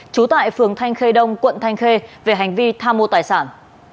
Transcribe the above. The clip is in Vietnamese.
trú tại phường thanh khê đông quận thanh khê về hành vi tha mua tài sản